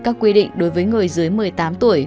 các quy định đối với người dưới một mươi tám tuổi